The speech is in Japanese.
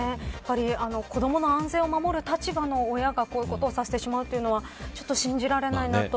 子どもの安全を守る立場の親がこういうことをしてしまうというのはちょっと信じられないのと。